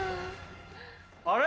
あれ？